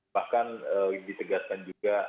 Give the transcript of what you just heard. bahkan ditegaskan juga